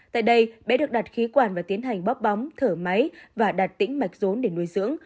tại đây bé được đặt khí quản và tiến hành bóp bóng thở máy và đặt tĩnh mạch rốn để nuôi dưỡng